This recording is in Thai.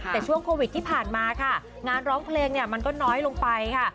แต่ช่วงโควิดที่ผ่านมาค่ะงานร้องเพลงเนี่ยมันก็น้อยลงไปค่ะ